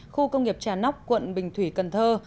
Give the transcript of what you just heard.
khu công nghiệp trà nóc quận bình thủy cần thơ